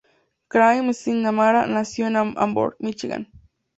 Craig McNamara nació en Ann Arbor, Michigan.